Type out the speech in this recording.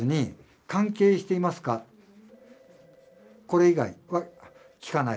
これ以外は聞かない。